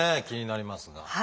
気になりますが。